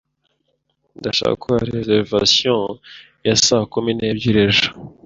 Ndashaka gukora reservation ya saa kumi n'ebyiri. ejo.